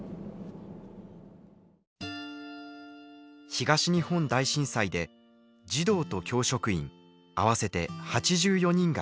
東日本大震災で児童と教職員合わせて８４人が犠牲になりました。